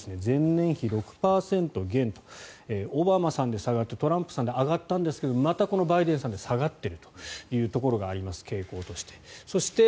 前年比６％減オバマさんで下がってトランプさんで上がったんですがまたこのバイデンさんで下がっているというところが傾向としてあります。